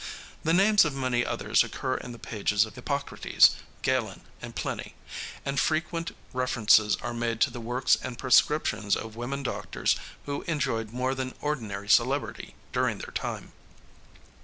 The names of many others occur in the pages of Hippocrates, Galen and Pliny; and frequent references are made to the works and prescriptions of women doctors who enjoyed more than ordinary celebrity during their time.